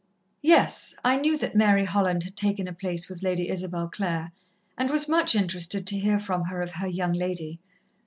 "Yes. I knew that Mary Holland had taken a place with Lady Isabel Clare, and was much interested to hear from her of her 'young lady.'